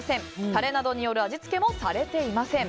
タレなどによる味付けもされていません。